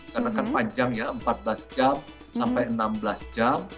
karena kan panjang ya empat belas jam sampai enam belas jam